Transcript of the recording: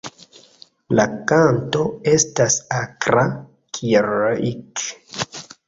La kanto estas akra "kieerr-ik".